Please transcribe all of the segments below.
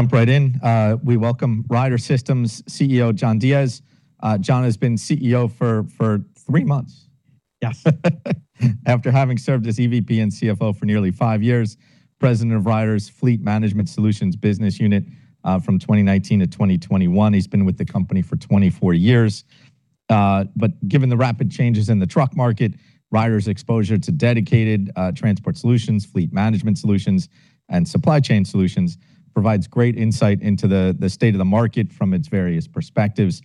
Jump right in. We welcome Ryder System Chief Executive Officer, John Diez. John has been Chief Executive Officer for three months. Yes. After having served as Executive Vice President and Chief Financial Officer for nearly five years, president of Ryder's Fleet Management Solutions business unit, from 2019 to 2021. He's been with the company for 24 years. Given the rapid changes in the truck market, Ryder's exposure to Dedicated Transportation Solutions, Fleet Management Solutions, and Supply Chain Solutions provides great insight into the state of the market from its various perspectives.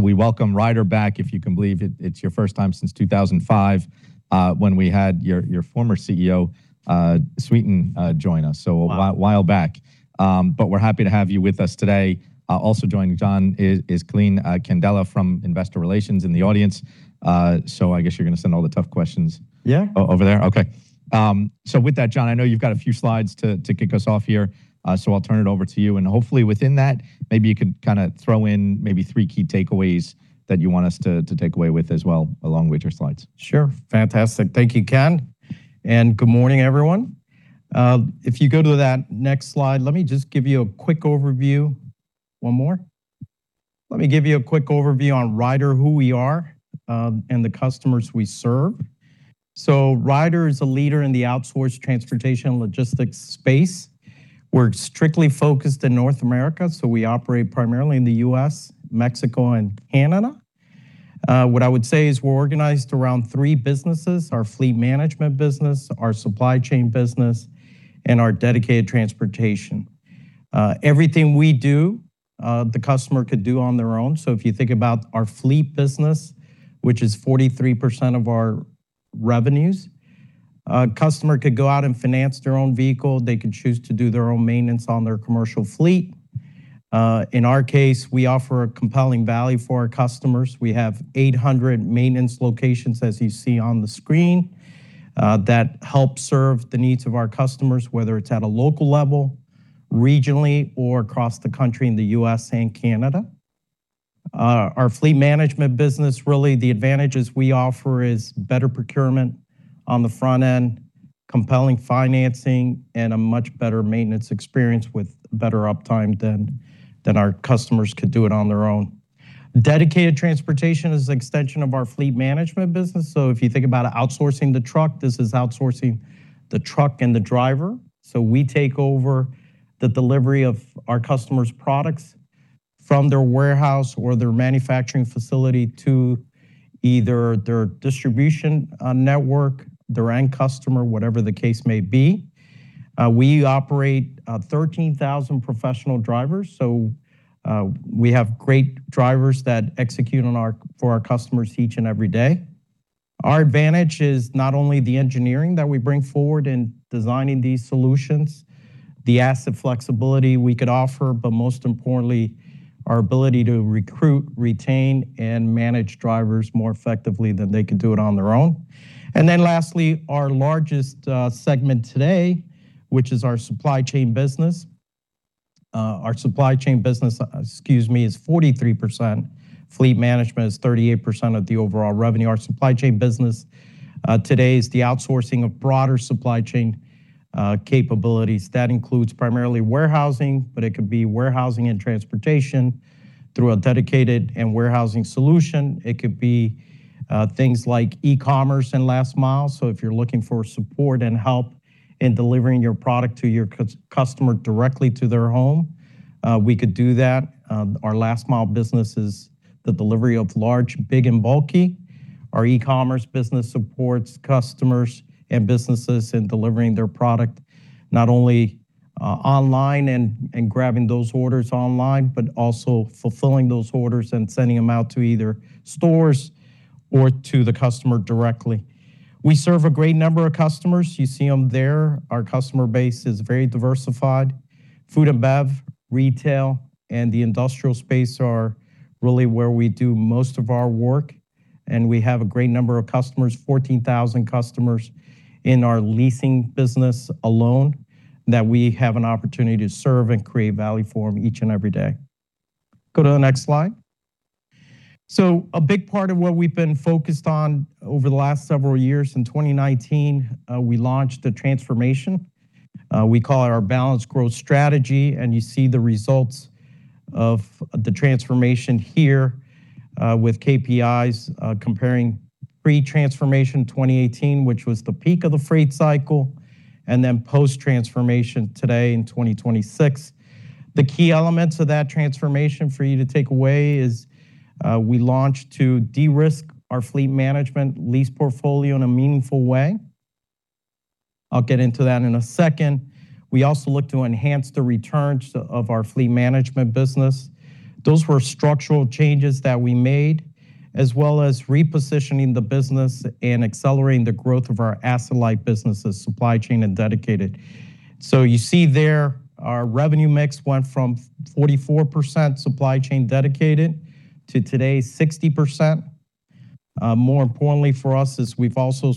We welcome Ryder back, if you can believe it. It's your first time since 2005, when we had your former Chief Executive Officer join us. A while back. We're happy to have you with us today. Also joining John is Calene Candela from Investor Relations in the audience. I guess you're gonna send all the tough questions. Yeah. Over there. Okay. With that, John, I know you've got a few slides to kick us off here. I'll turn it over to you. Hopefully within that, maybe you could kinda throw in maybe three key takeaways that you want us to take away with as well, along with your slides. Sure. Fantastic. Thank you, Ken. Good morning, everyone. If you go to that next slide, let me just give you a quick overview. One more. Let me give you a quick overview on Ryder, who we are, and the customers we serve. Ryder is a leader in the outsourced transportation logistics space. We're strictly focused in North America, so we operate primarily in the U.S., Mexico, and Canada. What I would say is we're organized around three businesses: our fleet management business, our supply chain business, and our dedicated transportation. Everything we do, the customer could do on their own. If you think about our fleet business, which is 43% of our revenues, a customer could go out and finance their own vehicle. They could choose to do their own maintenance on their commercial fleet. In our case, we offer a compelling value for our customers. We have 800 maintenance locations, as you see on the screen, that help serve the needs of our customers, whether it's at a local level, regionally, or across the country in the U.S. and Canada. Our Fleet Management Solutions, really the advantages we offer is better procurement on the front end, compelling financing, and a much better maintenance experience with better uptime than our customers could do it on their own. Dedicated Transportation Solutions is an extension of our Fleet Management Solutions. If you think about outsourcing the truck, this is outsourcing the truck and the driver. We take over the delivery of our customers' products from their warehouse or their manufacturing facility to either their distribution network, their end customer, whatever the case may be. We operate 13,000 professional drivers, we have great drivers that execute on our, for our customers each and every day. Our advantage is not only the engineering that we bring forward in designing these solutions, the asset flexibility we could offer, but most importantly, our ability to recruit, retain, and manage drivers more effectively than they could do it on their own. Lastly, our largest segment today, which is our Supply Chain Solutions. Our Supply Chain Solutions, excuse me, is 43%. Fleet Management Solutions is 38% of the overall revenue. Our Supply Chain Solutions today is the outsourcing of broader supply chain capabilities. That includes primarily warehousing, but it could be warehousing and transportation through a dedicated and warehousing solution. It could be things like e-commerce and last mile. If you're looking for support and help in delivering your product to your customer directly to their home, we could do that. Our last mile business is the delivery of large, big, and bulky. Our e-commerce business supports customers and businesses in delivering their product not only online and grabbing those orders online, but also fulfilling those orders and sending them out to either stores or to the customer directly. We serve a great number of customers. You see them there. Our customer base is very diversified. Food and bev, retail, and the industrial space are really where we do most of our work, and we have a great number of customers, 14,000 customers, in our leasing business alone that we have an opportunity to serve and create value for them each and every day. Go to the next slide. A big part of what we've been focused on over the last several years, in 2019, we launched a transformation. We call it our balanced growth strategy, and you see the results of the transformation here, with KPIs, comparing pre-transformation in 2018, which was the peak of the freight cycle, and then post-transformation today in 2026. The key elements of that transformation for you to take away is, we launched to de-risk our fleet management lease portfolio in a meaningful way. I'll get into that in a second. We also look to enhance the returns of our fleet management business. Those were structural changes that we made, as well as repositioning the business and accelerating the growth of our asset-light businesses, Supply Chain and Dedicated. You see there our revenue mix went from 44% supply chain dedicated to today's 60%. More importantly for us is we've also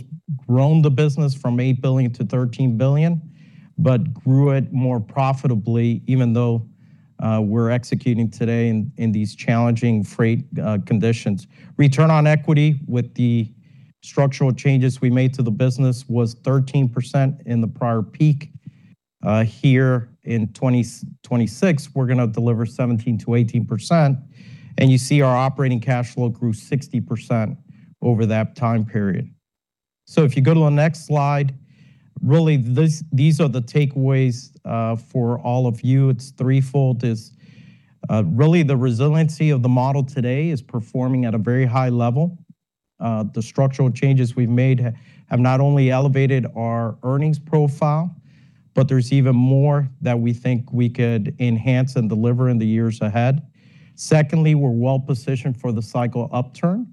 grown the business from $8 billion to $13 billion, but grew it more profitably even though we're executing today in these challenging freight conditions. Return on equity with the structural changes we made to the business was 13% in the prior peak. Here in 2026, we're gonna deliver 17%-18%, and you see our operating cash flow grew 60% over that time period. If you go to the next slide, really, these are the takeaways for all of you. It's threefold. It's really the resiliency of the model today is performing at a very high level. The structural changes we've made have not only elevated our earnings profile, but there's even more that we think we could enhance and deliver in the years ahead. We're well-positioned for the cycle upturn.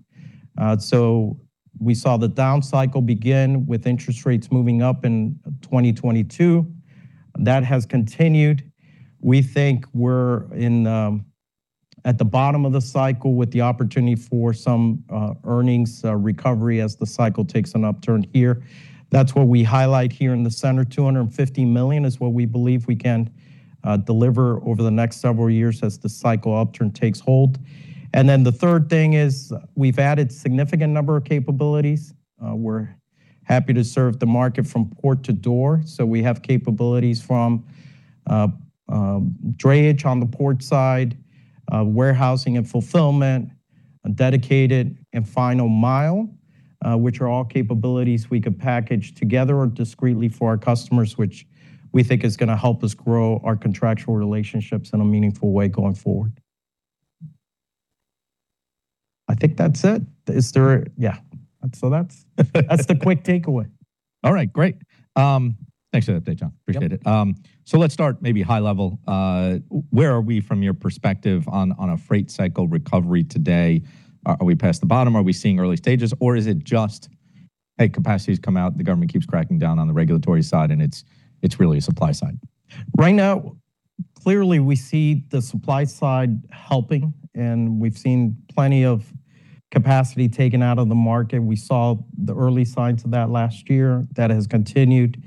We saw the down cycle begin with interest rates moving up in 2022. That has continued. We think we're in at the bottom of the cycle with the opportunity for some earnings recovery as the cycle takes an upturn here. That's what we highlight here in the center. $250 million is what we believe we can deliver over the next several years as the cycle upturn takes hold. The third thing is we've added significant number of capabilities. We're happy to serve the market from port-to-door, so we have capabilities from drayage on the port side, warehousing and fulfillment, and dedicated and final mile, which are all capabilities we could package together or discreetly for our customers, which we think is gonna help us grow our contractual relationships in a meaningful way going forward. I think that's it. That's the quick takeaway. All right, great. Thanks for that update, John. Appreciate it. Yep. Let's start maybe high level. Where are we from your perspective on a freight cycle recovery today? Are we past the bottom? Are we seeing early stages, or is it just, hey, capacity's come out, the government keeps cracking down on the regulatory side, and it's really a supply side? Right now, clearly, we see the supply side helping, and we've seen plenty of capacity taken out of the market. We saw the early signs of that last year. That has continued.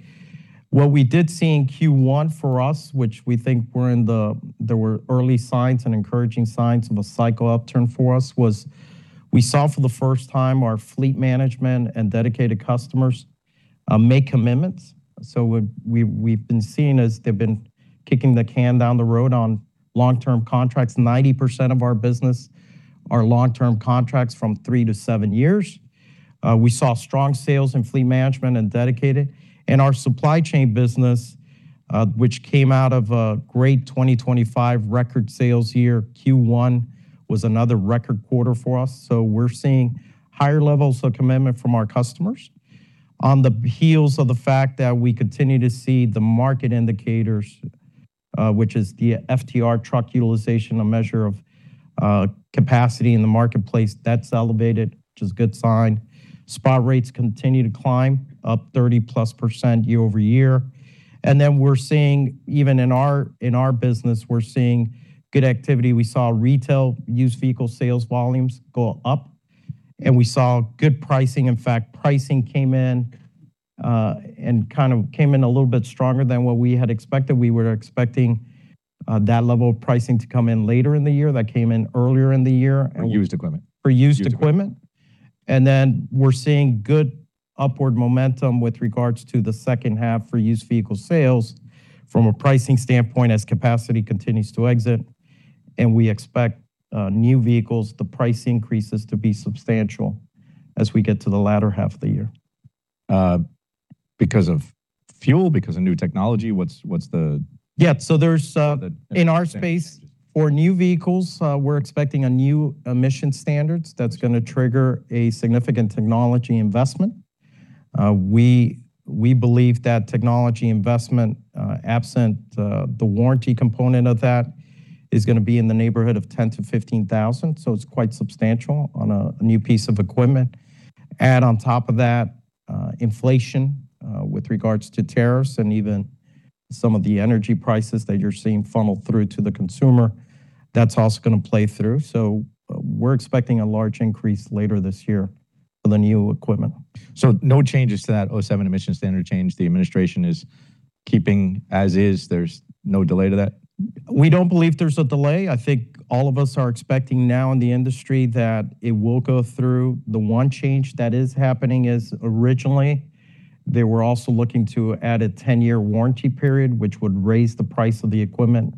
What we did see in Q1 for us, which we think there were early signs and encouraging signs of a cycle upturn for us, was we saw for the first time our Fleet Management and Dedicated customers make commitments. What we've been seeing is they've been kicking the can down the road on long-term contracts. 90% of our business are long-term contracts from 3-7 years. We saw strong sales in Fleet Management and Dedicated. Our Supply Chain business, which came out of a great 2025 record sales year, Q1 was another record quarter for us. We're seeing higher levels of commitment from our customers. On the heels of the fact that we continue to see the market indicators, which is the FTR truck utilization, a measure of capacity in the marketplace, that's elevated, which is a good sign. Spot rates continue to climb, up +30% year-over-year. We're seeing, even in our, in our business, we're seeing good activity. We saw retail used vehicle sales volumes go up, and we saw good pricing. In fact, pricing came in, and kind of came in a little bit stronger than what we had expected. We were expecting that level of pricing to come in later in the year. That came in earlier in the year. For used equipment? For used equipment. We're seeing good upward momentum with regards to the second half for used vehicle sales from a pricing standpoint as capacity continues to exit, and we expect new vehicles, the price increases to be substantial as we get to the latter half of the year. Because of fuel? Because of new technology? Yeah. In our space for new vehicles, we're expecting a new emission standards that's gonna trigger a significant technology investment. We believe that technology investment, absent the warranty component of that, is gonna be in the neighborhood of $10,000-$15,000, so it's quite substantial on a new piece of equipment. Add on top of that, inflation, with regards to tariffs and even some of the energy prices that you're seeing funnel through to the consumer. That's also gonna play through. We're expecting a large increase later this year for the new equipment. No changes to that 2027 emission standard change. The administration is keeping as is. There's no delay to that? We don't believe there's a delay. I think all of us are expecting now in the industry that it will go through. The one change that is happening is originally, they were also looking to add a 10-year warranty period, which would raise the price of the equipment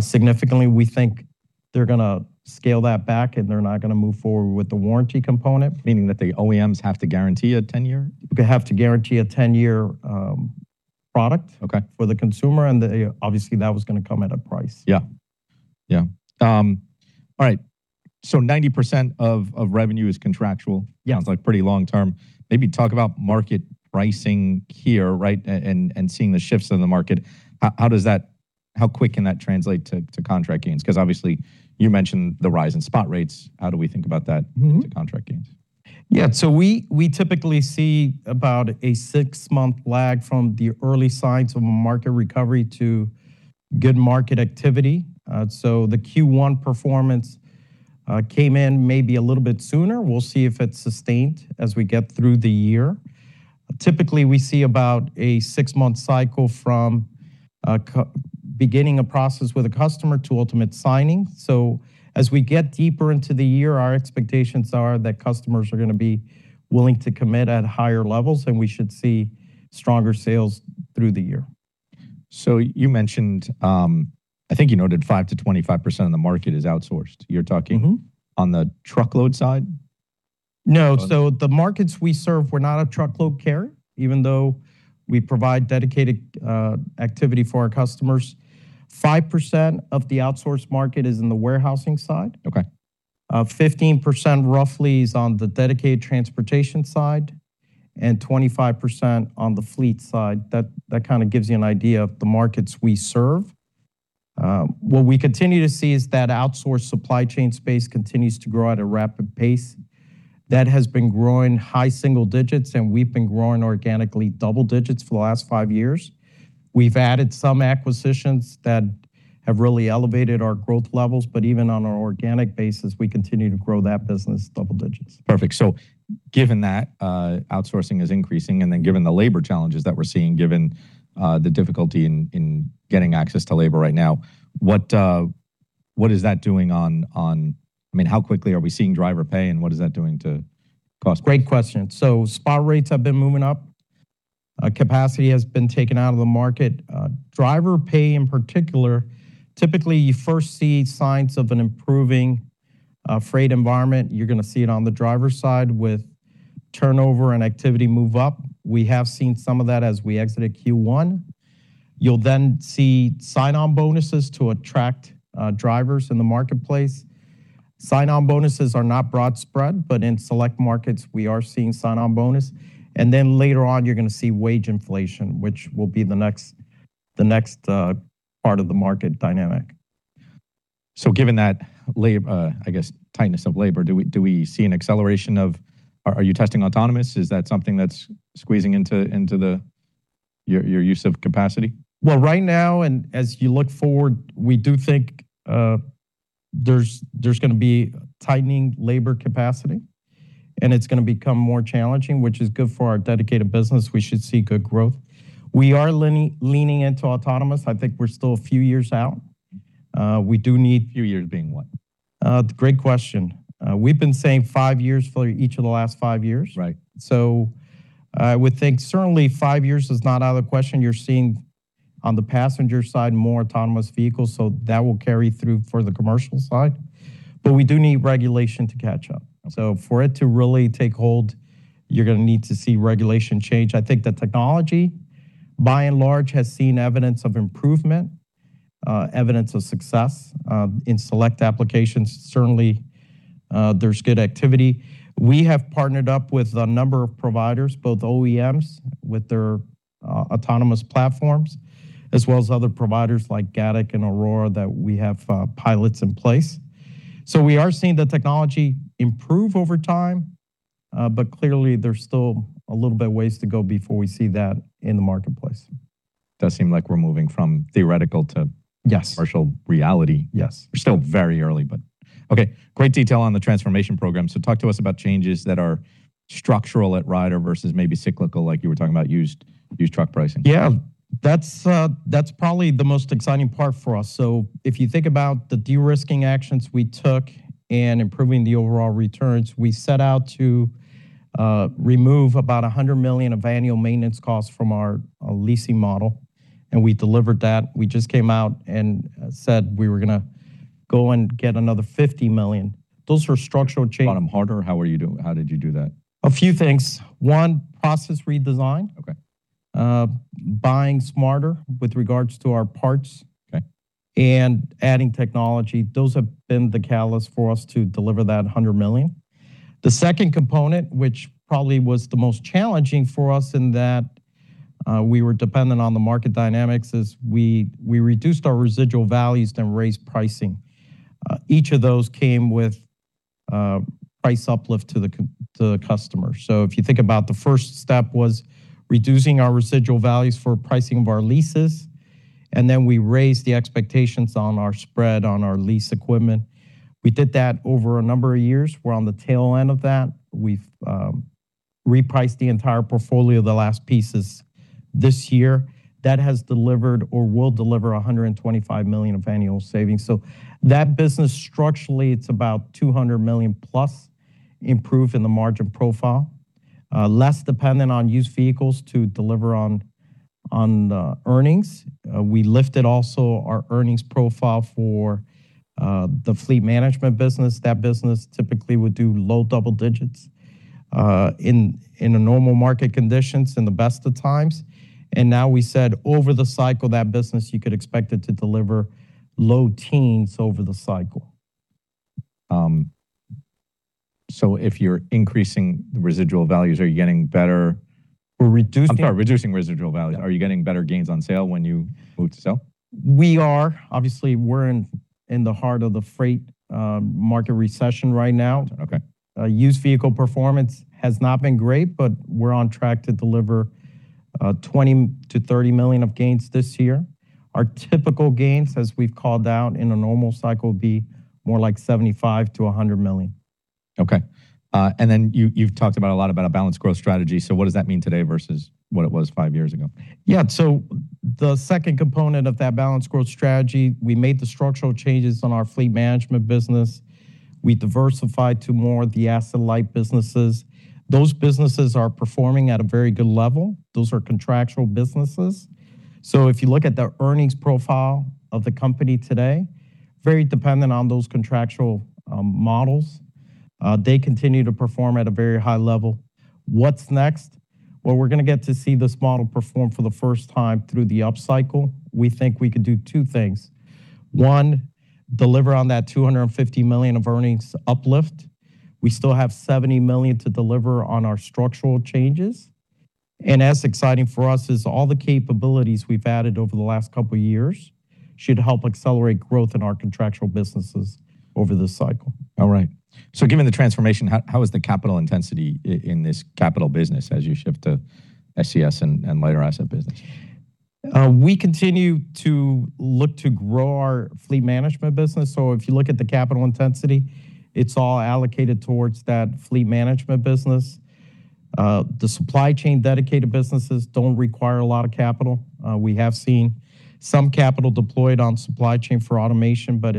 significantly. We think they're gonna scale that back, and they're not gonna move forward with the warranty component. Meaning that the OEMs have to guarantee a 10-year? They have to guarantee a 10-year product. Okay. For the consumer, and obviously, that was gonna come at a price. Yeah. Yeah. All right. 90% of revenue is contractual. Yeah. It's like pretty long term. Maybe talk about market pricing here, right? Seeing the shifts in the market. How does that how quick can that translate to contract gains? 'Cause obviously, you mentioned the rise in spot rates. How do we think about that? To contract gains? Yeah. We typically see about a six-month lag from the early signs of a market recovery to good market activity. The Q1 performance came in maybe a little bit sooner. We'll see if it's sustained as we get through the year. Typically, we see about a six-month cycle from beginning a process with a customer to ultimate signing. As we get deeper into the year, our expectations are that customers are gonna be willing to commit at higher levels, and we should see stronger sales through the year. You mentioned, I think you noted 5%-25% of the market is outsourced. On the truckload side? No. Okay. The markets we serve, we're not a truckload carrier, even though we provide dedicated activity for our customers. 5% of the outsourced market is in the warehousing side. Okay. 15% roughly is on the dedicated transportation side, and 25% on the fleet side. That kind of gives you an idea of the markets we serve. What we continue to see is that outsourced supply chain space continues to grow at a rapid pace. That has been growing high single digits, and we've been growing organically double digits for the last five years. We've added some acquisitions that have really elevated our growth levels, but even on an organic basis, we continue to grow that business double digits. Perfect. Given that outsourcing is increasing, and then given the labor challenges that we're seeing, given the difficulty in getting access to labor right now, what is that doing on I mean, how quickly are we seeing driver pay, and what is that doing to cost? Great question. Spot rates have been moving up. Capacity has been taken out of the market. Driver pay in particular, typically you first see signs of an improving freight environment. You're gonna see it on the driver's side with turnover and activity move up. We have seen some of that as we exit at Q1. You'll then see sign-on bonuses to attract drivers in the marketplace. Sign-on bonuses are not broad spread, but in select markets we are seeing sign-on bonus. Later on, you're gonna see wage inflation, which will be the next part of the market dynamic. Given that, I guess, tightness of labor, do we see an acceleration of Are you testing autonomous? Is that something that's squeezing into the, your use of capacity? Right now, and as you look forward, we do think, there's gonna be tightening labor capacity, and it's gonna become more challenging, which is good for our dedicated business. We should see good growth. We are leaning into autonomous. I think we're still a few years out. A few years being what? Great question. We've been saying five years for each of the last five years. Right. I would think certainly five years is not out of the question. You're seeing on the passenger side more autonomous vehicles, so that will carry through for the commercial side. We do need regulation to catch up. Okay. For it to really take hold, you're gonna need to see regulation change. I think the technology, by and large, has seen evidence of improvement, evidence of success. In select applications, certainly, there's good activity. We have partnered up with a number of providers, both OEMs with their autonomous platforms, as well as other providers like Gatik and Aurora that we have pilots in place. We are seeing the technology improve over time, but clearly there's still a little bit of ways to go before we see that in the marketplace. Does seem like we're moving from theoretical to partial reality. Yes. We're still very early. Okay, great detail on the transformation program. Talk to us about changes that are structural at Ryder versus maybe cyclical, like you were talking about used truck pricing. That's probably the most exciting part for us. If you think about the de-risking actions we took in improving the overall returns, we set out to remove about $100 million of annual maintenance costs from our leasing model, and we delivered that. We just came out and said we were gonna go and get another $50 million. Bottom harder, how did you do that? A few things. One, process redesign. Okay. Buying smarter with regards to our parts. Okay. Adding technology. Those have been the catalyst for us to deliver that $100 million. The second component, which probably was the most challenging for us in that, we reduced our residual values, then raised pricing. Each of those came with price uplift to the customer. If you think about the first step was reducing our residual values for pricing of our leases, we raised the expectations on our spread on our lease equipment. We did that over a number of years. We're on the tail end of that. We've repriced the entire portfolio, the last pieces this year. That has delivered or will deliver $125 million of annual savings. That business structurally, it's about $200+ million improve in the margin profile. Less dependent on used vehicles to deliver on the earnings. We lifted also our earnings profile for the fleet management business. That business typically would do low double digits in a normal market conditions in the best of times. Now we said over the cycle, that business, you could expect it to deliver low teens over the cycle. If you're increasing the residual values, are you getting better? We're reducing. I'm sorry, reducing residual value. Yeah. Are you getting better gains on sale when you move to sell? We are. Obviously, we're in the heart of the freight market recession right now. Okay. Used vehicle performance has not been great, but we're on track to deliver $20 million-$30 million of gains this year. Our typical gains, as we've called out in a normal cycle, would be more like $75 million-$100 million. Okay. You've talked about a lot about a balanced growth strategy. What does that mean today versus what it was five years ago? Yeah. The second component of that balanced growth strategy, we made the structural changes on our fleet management business. We diversified to more the asset-light businesses. Those businesses are performing at a very good level. Those are contractual businesses. If you look at the earnings profile of the company today, very dependent on those contractual models. They continue to perform at a very high level. What's next? Well, we're gonna get to see this model perform for the first time through the up cycle. We think we could do two things. One, deliver on that $250 million of earnings uplift. We still have $70 million to deliver on our structural changes. As exciting for us is all the capabilities we've added over the last couple years should help accelerate growth in our contractual businesses over this cycle. All right. Given the transformation, how is the capital intensity in this capital business as you shift to SCS and lighter asset business? We continue to look to grow our fleet management business. If you look at the capital intensity, it's all allocated towards that fleet management business. The supply chain dedicated businesses don't require a lot of capital. We have seen some capital deployed on supply chain for automation, but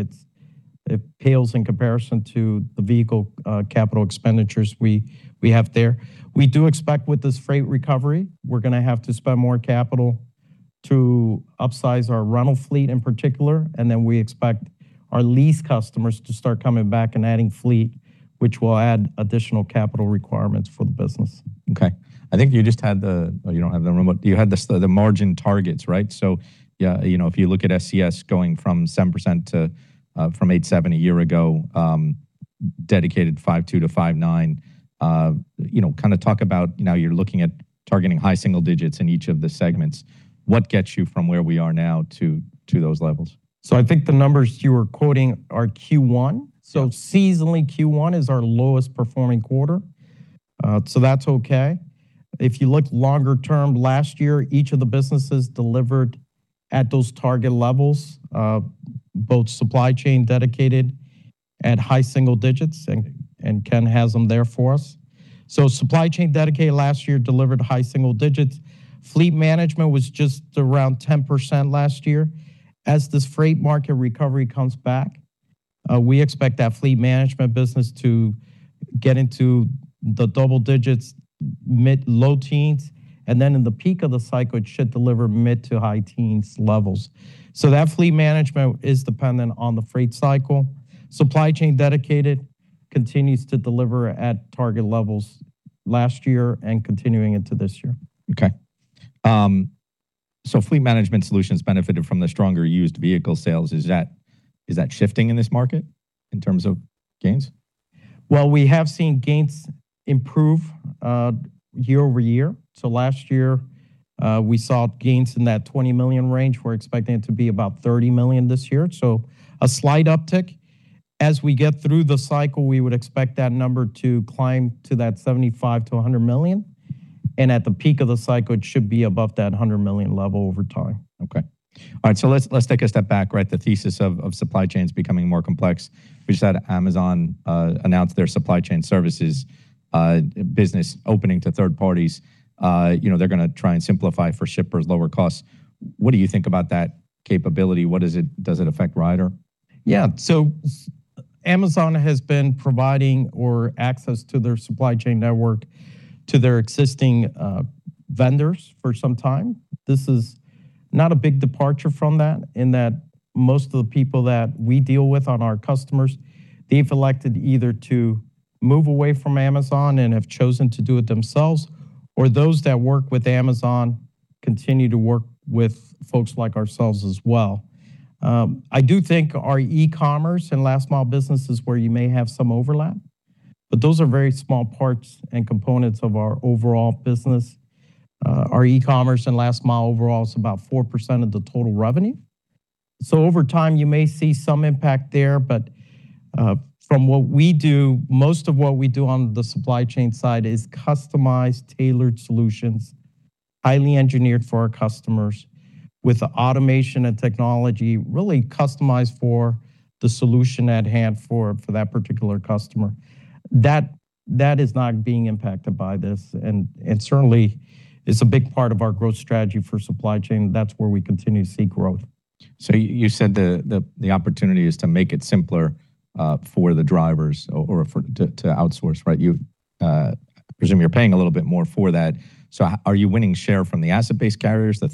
it pales in comparison to the vehicle capital expenditures we have there. We do expect, with this freight recovery, we're gonna have to spend more capital to upsize our rental fleet in particular, and then we expect our lease customers to start coming back and adding fleet, which will add additional capital requirements for the business. Okay. I think you just had the oh, you don't have the remote. You had the margin targets, right? Yeah, you know, if you look at SCS going from 7% to from 8.7% a year ago, Dedicated 5.2%-5.9%, you know, kind of talk about now you're looking at targeting high single digits in each of the segments. What gets you from where we are now to those levels? I think the numbers you were quoting are Q1. Yeah. Seasonally, Q1 is our lowest performing quarter. That's okay. If you look longer term, last year, each of the businesses delivered at those target levels, both Supply Chain Dedicated at high single digits, and Ken has them there for us. Supply Chain Dedicated last year delivered high single digits. Fleet Management was just around 10% last year. As this freight market recovery comes back, we expect that Fleet Management business to get into the double digits, mid, low teens, and then in the peak of the cycle, it should deliver mid to high teens levels. That Fleet Management is dependent on the freight cycle. Supply Chain Dedicated continues to deliver at target levels last year and continuing into this year. Okay. Fleet Management Solutions benefited from the stronger used vehicle sales. Is that shifting in this market in terms of gains? Well, we have seen gains improve year-over-year. Last year, we saw gains in that $20 million range. We're expecting it to be about $30 million this year, so a slight uptick. As we get through the cycle, we would expect that number to climb to that $75 million-$100 million, and at the peak of the cycle, it should be above that $100 million level over time. Okay. All right, let's take a step back, right? The thesis of supply chains becoming more complex. We just had Amazon announce their supply chain services business opening to third parties. You know, they're gonna try and simplify for shippers, lower costs. What do you think about that capability? What does it affect Ryder? Yeah. Amazon has been providing or access to their supply chain network to their existing vendors for some time. This is not a big departure from that, in that most of the people that we deal with on our customers, they've elected either to move away from Amazon and have chosen to do it themselves, or those that work with Amazon continue to work with folks like ourselves as well. I do think our e-commerce and last mile business is where you may have some overlap, but those are very small parts and components of our overall business. Our e-commerce and last mile overall is about 4% of the total revenue. Over time, you may see some impact there, but from what we do, most of what we do on the supply chain side is customized, tailored solutions, highly engineered for our customers with the automation and technology really customized for the solution at hand for that particular customer. That is not being impacted by this and certainly is a big part of our growth strategy for supply chain. That's where we continue to see growth. You said the opportunity is to make it simpler for the drivers or to outsource, right? You've, I presume you're paying a little bit more for that. Are you winning share from the asset-based carriers, the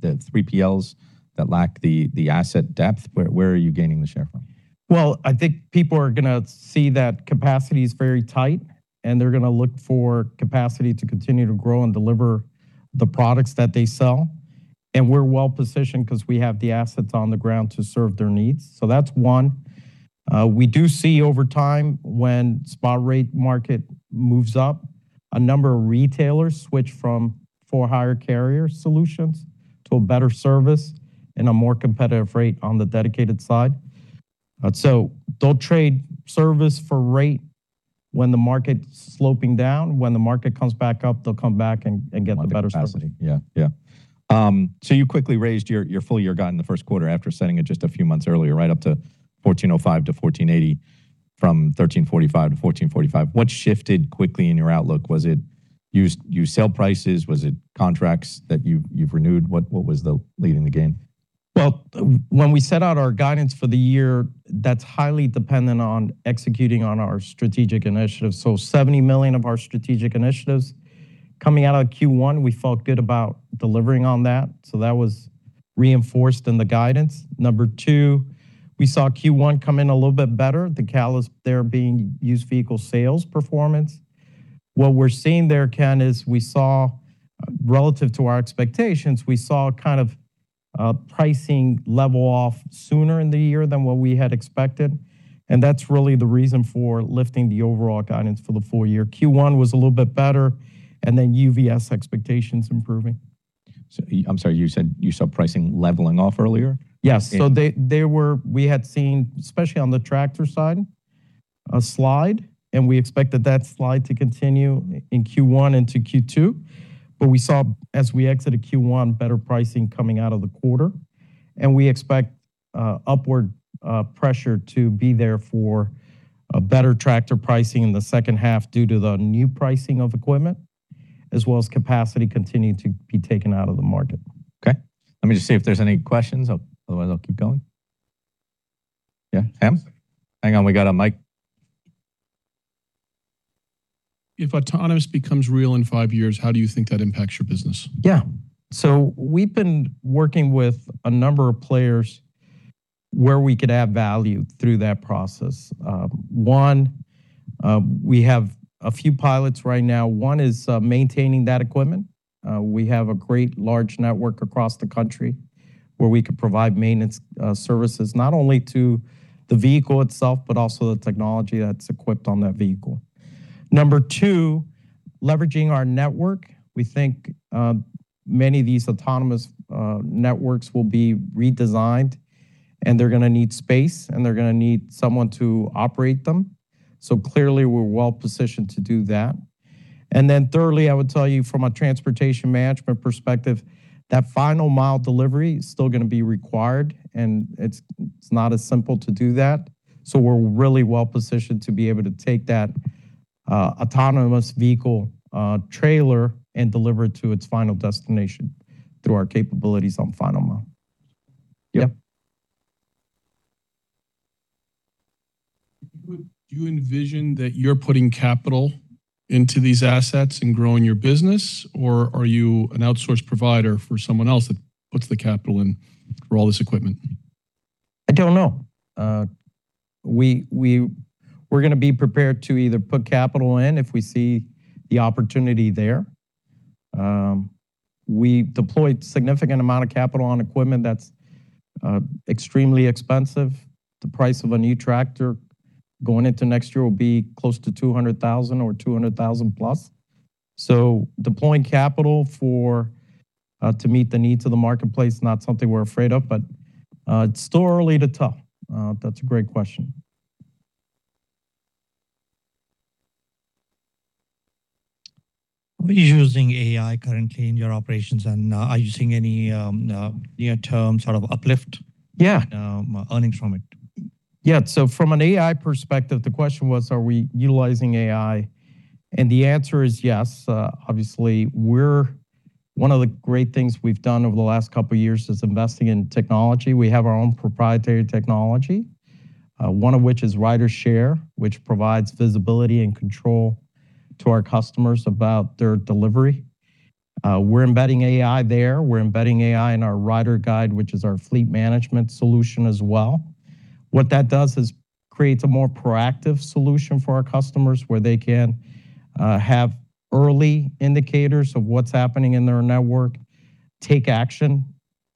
3PLs that lack the asset depth? Where are you gaining the share from? Well, I think people are gonna see that capacity is very tight, and they're gonna look for capacity to continue to grow and deliver the products that they sell, and we're well-positioned because we have the assets on the ground to serve their needs. That's one. We do see over time, when spot rate market moves up, a number of retailers switch from for-hire carrier solutions to a better service and a more competitive rate on the dedicated side. They'll trade service for rate when the market's sloping down, when the market comes back up, they'll come back and get the better capacity. Yeah. Yeah. You quickly raised your full year guide in the first quarter after setting it just a few months earlier, right up to $14.05 to $14.80 from $13.45 to $14.45. What shifted quickly in your outlook? Was it used sale prices? Was it contracts that you've renewed? What was the lead in the gain? When we set out our guidance for the year, that's highly dependent on executing on our strategic initiatives. $70 million of our strategic initiatives. Coming out of Q1, we felt good about delivering on that was reinforced in the guidance. Number two, we saw Q1 come in a little bit better, the catalyst there being used vehicle sales performance. What we're seeing there, Ken, is we saw, relative to our expectations, we saw kind of pricing level off sooner in the year than what we had expected, that's really the reason for lifting the overall guidance for the full year. Q1 was a little bit better, UVS expectations improving. I'm sorry, you said you saw pricing leveling off earlier? Yes. We had seen, especially on the tractor side, a slide, and we expected that slide to continue in Q1 into Q2. We saw as we exited Q1, better pricing coming out of the quarter, and we expect upward pressure to be there for a better tractor pricing in the second half due to the new pricing of equipment, as well as capacity continuing to be taken out of the market. Okay. Let me just see if there's any questions, otherwise I'll keep going. Yeah, Ham? Hang on, we got a mic. If autonomous becomes real in five years, how do you think that impacts your business? We've been working with a number of players where we could add value through that process. One, we have a few pilots right now. One is maintaining that equipment. We have a great large network across the country where we could provide maintenance services not only to the vehicle itself, but also the technology that's equipped on that vehicle. Number two, leveraging our network. We think many of these autonomous networks will be redesigned, and they're gonna need space, and they're gonna need someone to operate them. Clearly, we're well-positioned to do that. Thirdly, I would tell you from a transportation management perspective, that final mile delivery is still gonna be required, and it's not as simple to do that. We're really well-positioned to be able to take that autonomous vehicle trailer and deliver it to its final destination through our capabilities on final mile. Yep. Do you envision that you're putting capital into these assets and growing your business, or are you an outsourced provider for someone else that puts the capital in for all this equipment? I don't know. We're going to be prepared to either put capital in if we see the opportunity there. We deployed significant amount of capital on equipment that's extremely expensive. The price of a new tractor going into next year will be close to $200,000 or $200,000+. Deploying capital for to meet the needs of the marketplace is not something we're afraid of, but it's still early to tell. That's a great question. Are you using AI currently in your operations, are you seeing any, you know, term sort of uplift, earnings from it? From an AI perspective, the question was, are we utilizing AI? The answer is yes. Obviously, one of the great things we've done over the last couple of years is investing in technology. We have our own proprietary technology, one of which is RyderShare, which provides visibility and control to our customers about their delivery. We're embedding AI there. We're embedding AI in our RyderGyde, which is our fleet management solution as well. What that does is creates a more proactive solution for our customers where they can have early indicators of what's happening in their network, take action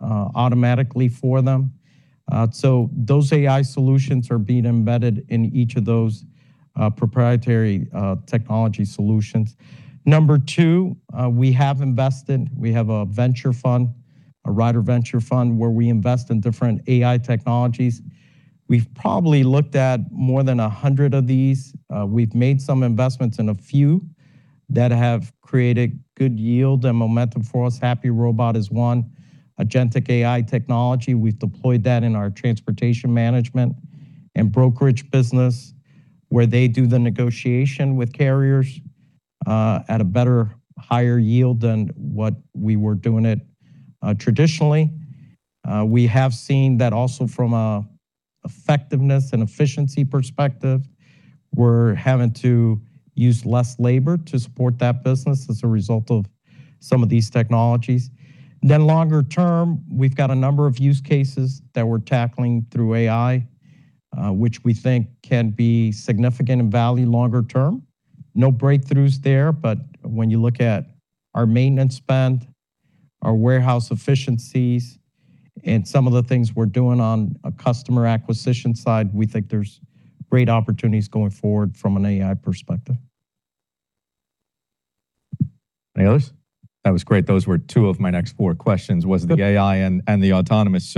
automatically for them. Those AI solutions are being embedded in each of those proprietary technology solutions. Number two, we have invested. We have a venture fund, a RyderVentures fund, where we invest in different AI technologies. We've probably looked at more than 100 of these. We've made some investments in a few that have created good yield and momentum for us. HappyRobot is one. Agentic AI technology, we've deployed that in our transportation management and brokerage business, where they do the negotiation with carriers, at a better, higher yield than what we were doing it traditionally. We have seen that also from a effectiveness and efficiency perspective. We're having to use less labor to support that business as a result of some of these technologies. Longer term, we've got a number of use cases that we're tackling through AI, which we think can be significant in value longer term. No breakthroughs there, when you look at our maintenance spend, our warehouse efficiencies, and some of the things we're doing on a customer acquisition side, we think there's great opportunities going forward from an AI perspective. Any others? That was great. Those were two of my next four questions. Good. Was the AI and the autonomous.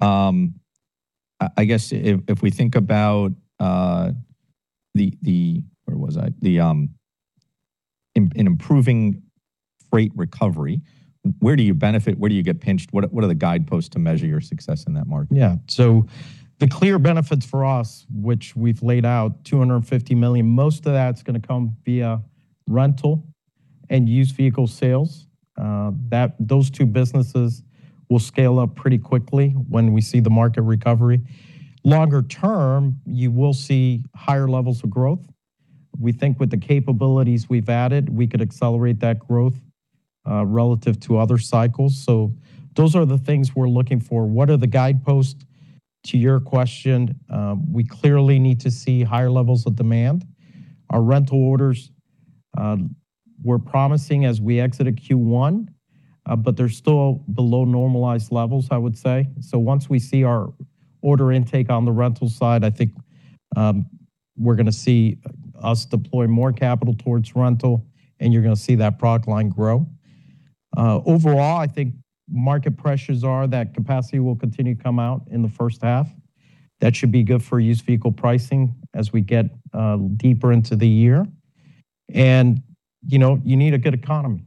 I guess if we think about Where was I? In improving freight recovery, where do you benefit? Where do you get pinched? What are the guideposts to measure your success in that market? Yeah. The clear benefits for us, which we've laid out, $250 million, most of that's gonna come via rental and used vehicle sales. Those two businesses will scale up pretty quickly when we see the market recovery. Longer term, you will see higher levels of growth. We think with the capabilities we've added, we could accelerate that growth relative to other cycles. Those are the things we're looking for. What are the guideposts? To your question, we clearly need to see higher levels of demand. Our rental orders were promising as we exited Q1, but they're still below normalized levels, I would say. Once we see our order intake on the rental side, I think, we're gonna see us deploy more capital towards rental, and you're gonna see that product line grow. Overall, I think market pressures are that capacity will continue to come out in the first half. That should be good for used vehicle pricing as we get deeper into the year. You need a good economy,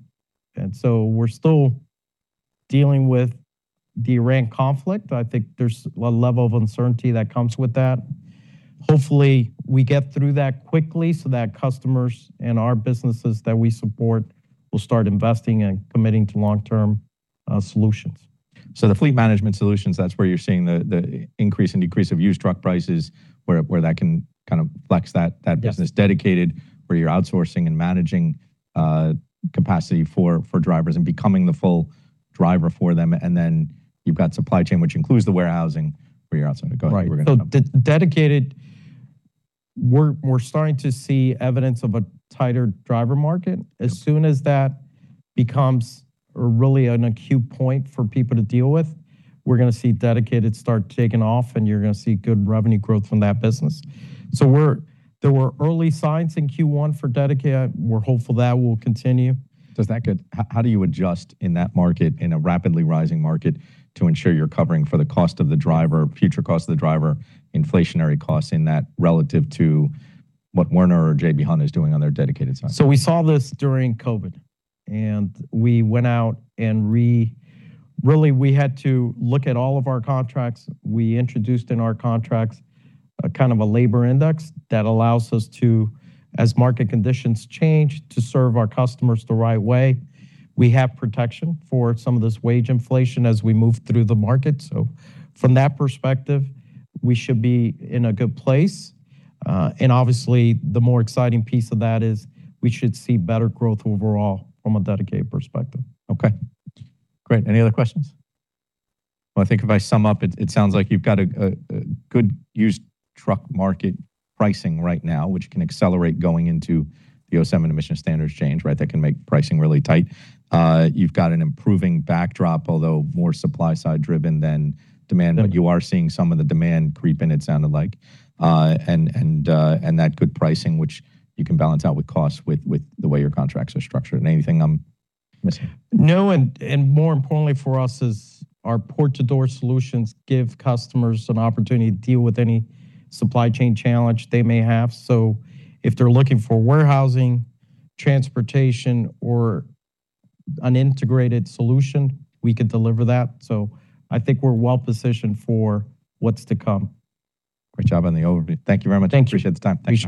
we're still dealing with the tariff conflict. I think there's a level of uncertainty that comes with that. Hopefully, we get through that quickly so that customers and our businesses that we support will start investing and committing to long-term solutions. The Fleet Management Solutions, that's where you're seeing the increase and decrease of used truck prices, where that can kind of flex. Yeah. That business dedicated, where you're outsourcing and managing capacity for drivers and becoming the full driver for them. You've got supply chain, which includes the warehousing, where you're outsourcing. Go ahead. Right. Dedicated, we're starting to see evidence of a tighter driver market. Yep. As soon as that becomes really an acute point for people to deal with, we're gonna see dedicated start taking off, and you're gonna see good revenue growth from that business. There were early signs in Q1 for dedicated. We're hopeful that will continue. How do you adjust in that market, in a rapidly rising market, to ensure you're covering for the cost of the driver, future cost of the driver, inflationary costs in that relative to what Werner Enterprises or J.B. Hunt is doing on their dedicated side? We saw this during COVID, and we went out and really, we had to look at all of our contracts. We introduced in our contracts a kind of a labor index that allows us to, as market conditions change, to serve our customers the right way. We have protection for some of this wage inflation as we move through the market. From that perspective, we should be in a good place. And obviously, the more exciting piece of that is we should see better growth overall from a dedicated perspective. Okay, great. Any other questions? Well, I think if I sum up, it sounds like you've got a good used truck market pricing right now, which can accelerate going into the 2027 emission standards change, right? That can make pricing really tight. You've got an improving backdrop, although more supply side driven than demand. Yeah. You are seeing some of the demand creep in, it sounded like. That good pricing, which you can balance out with costs with the way your contracts are structured. Anything I'm missing? More importantly for us is our port-to-door solutions give customers an opportunity to deal with any supply chain challenge they may have. If they're looking for warehousing, transportation, or an integrated solution, we can deliver that. I think we're well-positioned for what's to come. Great job on the overview. Thank you very much. Thank you. Appreciate the time. Thanks.